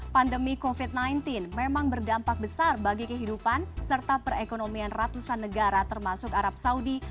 pandemi covid sembilan belas memang berdampak besar bagi kehidupan serta perekonomian ratusan negara termasuk arab saudi